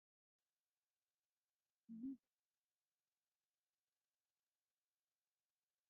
A sidi bab uγanim.